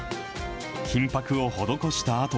金ぱくを施したあと、